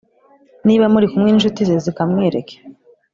niba muri kumwe n’inshuti ze zikamwereke